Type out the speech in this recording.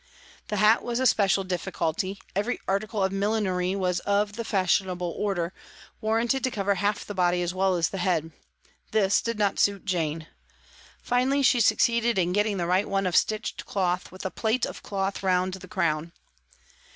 The hat was a special difficulty ; every article of millinery was of the fashionable order, warranted to cover half the body as well as the head. This did not suit Jane. Finally she succeeded in getting the right one of stitched cloth, with a plait of cloth round the crown.